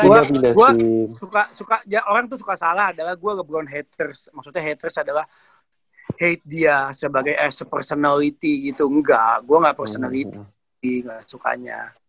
gue suka orang tuh suka salah adalah gue nge brown haters maksudnya haters adalah hate dia sebagai as sepersonality gitu enggak gue gak personality nggak sukanya